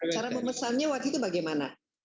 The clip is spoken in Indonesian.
cara memesannya waktu itu bagaimana